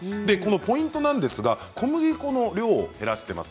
ポイントなんですが小麦粉の量を減らしています。